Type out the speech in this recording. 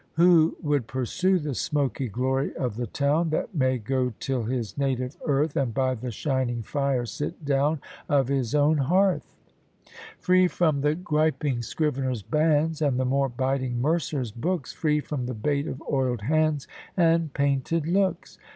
Who would pursue The smoky glory of the town, That may go till his native earth, And by the shining fire sit down Of his own hearth, Free from the griping scrivener's bands, And the more biting mercer's books; Free from the bait of oiled hands, And painted looks?